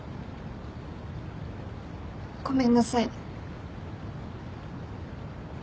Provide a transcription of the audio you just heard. ごめんなさい。